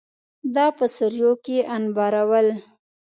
دا په سوریو کې انبارول